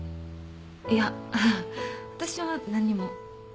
いや私は何も。